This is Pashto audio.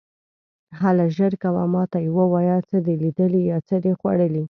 هله ژر کوه، ما ته یې ووایه، څه دې لیدلي یا څه دې خوړلي.